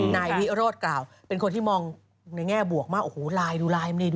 นายพี่โรดกล่าวเป็นคนที่มองในแง่บวกมาโอ้โหลายดูลายมันดี